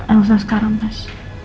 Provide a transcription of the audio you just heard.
elsa sekarang mas